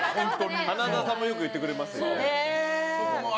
花澤さんもよく言ってくれるね。